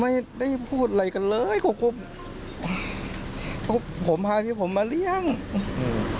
ไม่ได้พูดอะไรกันเลยกบผมพาพี่ผมมาหรือยังอืม